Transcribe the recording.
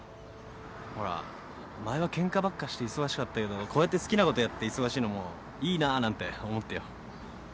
ほら前はケンカばっかして忙しかったけどこうやって好きなことやって忙しいのもいいななんて思ってよ。